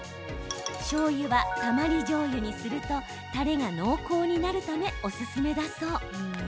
しょうゆはたまりじょうゆにするとたれが濃厚になるためおすすめだそう。